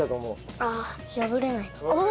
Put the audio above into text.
ああ破れないおっ！